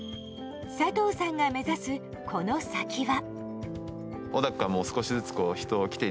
佐藤さんが目指すこの先は。